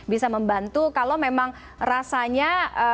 bisa membantu kalau memang rasanya